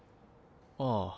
ああ。